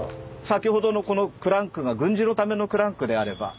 先ほどのこのクランクが軍事のためのクランクであれば。